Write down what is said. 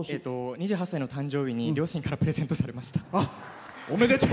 ２８歳の誕生日に両親からプレゼントされました。